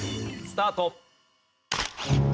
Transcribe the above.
スタート。